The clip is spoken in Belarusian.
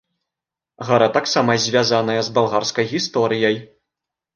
Гара таксама звязаная з балгарскай гісторыяй.